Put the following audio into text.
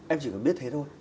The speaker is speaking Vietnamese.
em chỉ có biết thế thôi